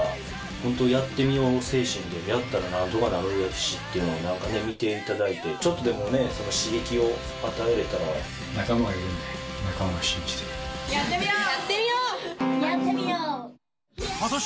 本当やってみよう精神でやったら、なんとかなるしっていうのをなんかね、見ていただいて、仲間がいるんで、仲間を信じやってみよう。